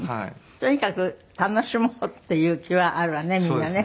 とにかく楽しもうっていう気はあるわねみんなね。